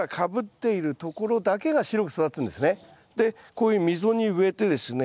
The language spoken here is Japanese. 長ネギはでこういう溝に植えてですね